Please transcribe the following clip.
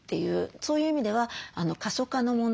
そういう意味では過疎化の問題